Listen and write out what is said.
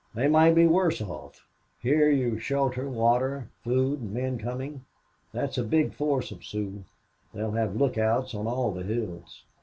"They might be worse off. Here you've shelter, water, food, and men coming. That's a big force of Sioux. They'll have lookouts on all the hills."